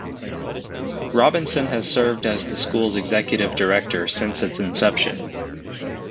Robinson has served as the school's Executive Director since its inception.